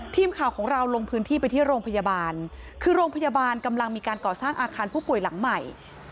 ทีมข่าวของเราลงพื้นที่ไปที่โรงพยาบาลคือโรงพยาบาลกำลังมีการก่อสร้างอาคารผู้ป่วยหลังใหม่